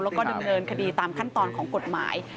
แล้วก็ดำเนินคดีตามขั้นตอนของกฎหมาย